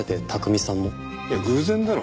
いや偶然だろ。